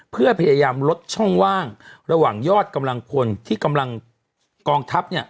เพื่อพยายามลดช่องว่างระหว่างยอดกำลังคนที่กำลังกองทัพเนี่ย